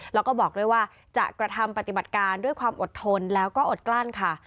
แล้วก็บอกด้วยว่าจะกระทำปฏิบัติการด้วยความอดทนแล้วก็อดกลั้นค่ะ